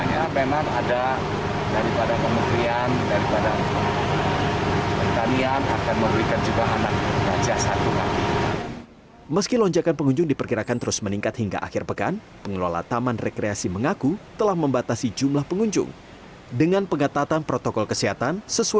jadi semuanya memang ada daripada pemerintah daripada pertanian akan memberikan juga anak gajah satu